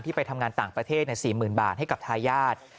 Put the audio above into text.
ไปทำงานต่างประเทศ๔๐๐๐บาทให้กับทายาท